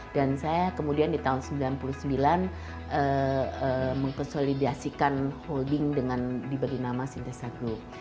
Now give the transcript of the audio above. dan saya kemudian di tahun seribu sembilan ratus sembilan puluh sembilan mengkonsolidasikan holding dengan diberi nama sintesa group